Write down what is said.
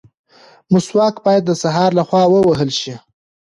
مسواک باید د سهار لخوا ووهل شي.